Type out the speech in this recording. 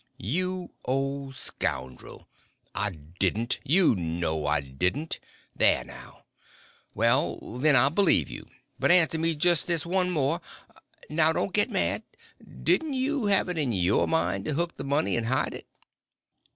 "You old scoundrel, I didn't, and you know I didn't. There, now!" "Well, then, I b'lieve you. But answer me only jest this one more—now don't git mad; didn't you have it in your mind to hook the money and hide it?"